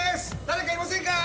誰かいませんか？